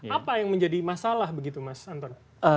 apa yang menjadi masalah begitu mas anton